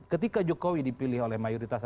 ketika jokowi dipilih oleh mayoritas